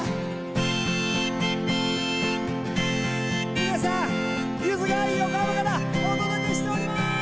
皆さんゆずが横浜からお届けしております。